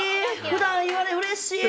普段言われへん、うれしい。